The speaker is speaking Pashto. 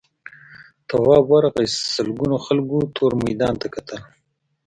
تواب ورغی سلگونو خلکو تور میدان ته کتل.